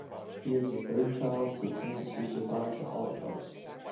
He is a third child to parents who survived the Holocaust.